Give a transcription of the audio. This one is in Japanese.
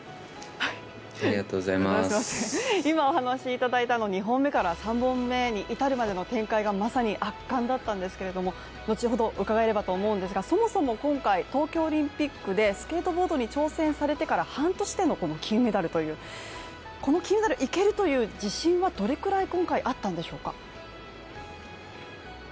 今、お話しいただいた２本目から３本目に至るまでの展開がまさに圧巻だったんですけれども後ほど伺えればと思うんですがそもそも今回、東京オリンピックでスケートボードに挑戦されてから半年での金メダルという、この金メダル、いけるという自信はどれくらい今回あったんでしょうか？